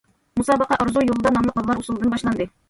مۇسابىقە‹‹ ئارزۇ يولىدا›› ناملىق بالىلار ئۇسسۇلىدىن باشلاندى.